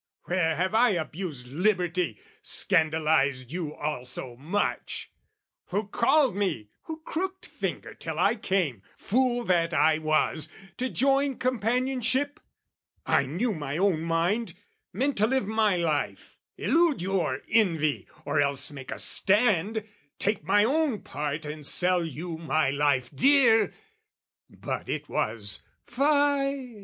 Where have I abused Liberty, scandalised you all so much? Who called me, who crooked finger till I came, Fool that I was, to join companionship? I knew my own mind, meant to live my life, Elude your envy, or else make a stand, Take my own part and sell you my life dear: But it was "Fie!